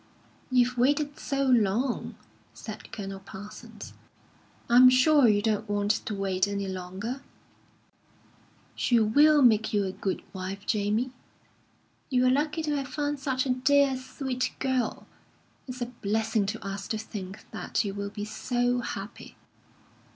"You've waited so long," said Colonel Parsons; "I'm sure you don't want to wait any longer." "She will make you a good wife, Jamie. You are lucky to have found such a dear, sweet girl. It's a blessing to us to think that you will be so happy."